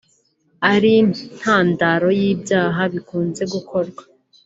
ari intandaro y’ibyaha bikunze gukorwa